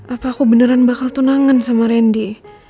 apa aku beneran bakal tunangan sama randy